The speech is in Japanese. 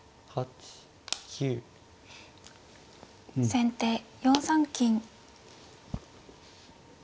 先手４三金。